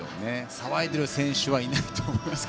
騒いでいる選手はいないと思います。